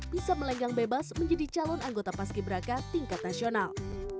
bisa melenggang bebas menjadi calon anggota paski beraka tingkat nasional